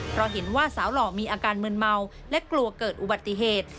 เพราะเห็นว่าสาวหล่อมีอาการมืนเมาและกลัวเกิดอุบัติเหตุ